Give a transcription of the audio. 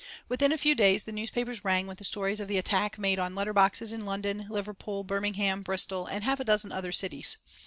Within a few days the newspapers rang with the story of the attack made on letter boxes in London, Liverpool, Birmingham, Bristol, and half a dozen other cities.